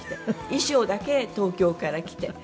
衣装だけ東京から来て。